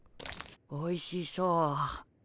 おいしそう。